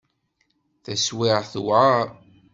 Taswiεt tewεer.